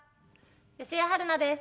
吉江晴菜です。